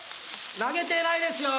投げてないですよ。